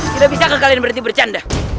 tidak bisa kalian berhenti bercanda